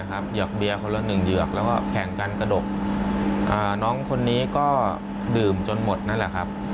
เหยือกเบียร์คนละหนึ่งเหยือกแล้วก็แข่งกันกระดก